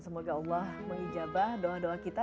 semoga allah menghijabah doa doa kita